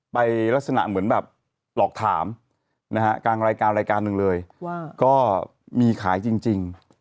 ไปลักษณะเหมือนแบบหลอกถามนะฮะกลางรายการรายการหนึ่งเลยว่าก็มีขายจริง